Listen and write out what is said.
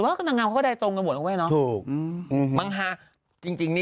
จริงก็ได้พฤตะวุฒินะ